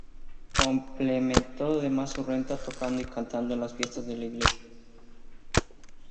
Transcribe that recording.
Complementó además su renta tocando y cantando en las fiestas de la iglesia.